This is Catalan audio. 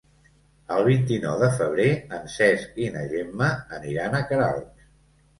El vint-i-nou de febrer en Cesc i na Gemma aniran a Queralbs.